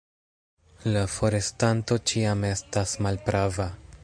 La forestanto ĉiam estas malprava.